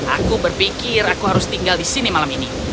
aku berpikir aku harus tinggal di sini malam ini